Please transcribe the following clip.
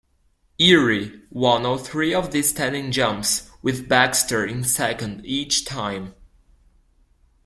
Ewry won all three of the standing jumps, with Baxter in second each time.